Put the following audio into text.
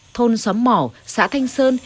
thôn xóm mỏ xã thanh sơn